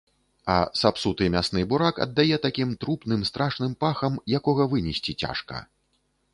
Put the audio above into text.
А сапсуты мясны бурак аддае такім трупным страшным пахам, якога вынесці цяжка.